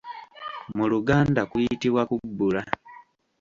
Mu Luganda kuyitibwa kubbula.